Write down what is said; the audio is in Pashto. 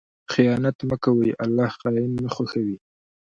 خیانت مه کوه، الله خائن نه خوښوي.